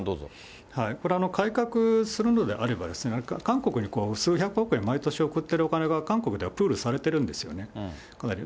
これ、改革するのであれば、韓国に数百億円毎年送ってるお金が、韓国ではプールされてるんですよね、かなり。